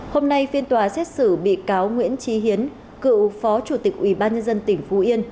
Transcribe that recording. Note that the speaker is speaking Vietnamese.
hôm nay phiên tòa xét xử bị cáo nguyễn trí hiến cựu phó chủ tịch ủy ban nhân dân tỉnh phú yên